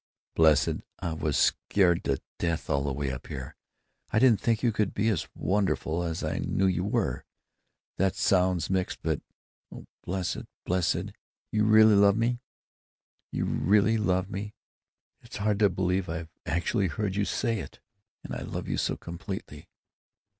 "Blessed, I was scared to death, all the way up here. I didn't think you could be as wonderful as I knew you were! That sounds mixed but—— Oh, blessed, blessed, you really love me? You really love me? It's hard to believe I've actually heard you say it! And I love you so completely.